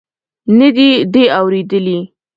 نه دې دي اورېدلي.